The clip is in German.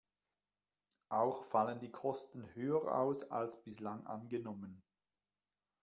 Auch fallen die Kosten höher aus, als bislang angenommen.